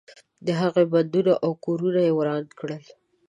د هغوی بندونه او کورونه یې وران کړل.